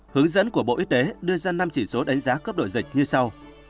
hướng dẫn của bộ y tế đưa ra năm chỉ số đánh giá cấp đổi dịch như sau